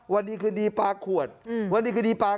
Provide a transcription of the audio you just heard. วันนี้คือดีปลาขวดวันนี้คือดีปลาไข่